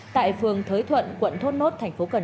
tại phương thới thuận quận thốt nốt tp cn